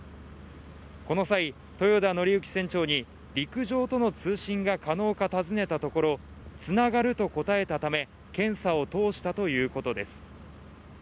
この際、豊田徳幸船長に陸上との通信が可能か尋ねたところつながると答えたため検査を通したということです